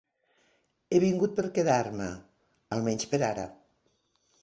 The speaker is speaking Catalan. He vingut per quedar-me... almenys per ara.